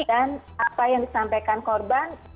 dan apa yang disampaikan korban